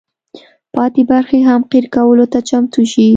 پاتې برخې هم قیر کولو ته چمتو شي.